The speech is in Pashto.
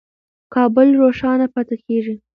کابل روښانه پاتې کېږي.